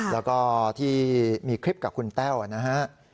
แล้วก็ที่มีคลิปกับคุณแต้วนะฮะ